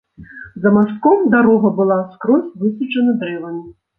За мастком дарога была скрозь высаджана дрэвамі.